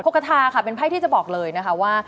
กระทาค่ะเป็นไพ่ที่จะบอกเลยนะคะว่า